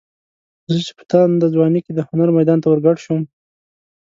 زه چې په تانده ځوانۍ کې د هنر میدان ته ورګډ شوم.